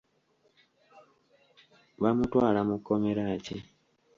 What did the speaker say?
Bamutwala mu kkomera ki?